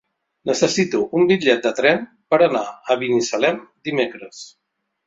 Necessito un bitllet de tren per anar a Binissalem dimecres.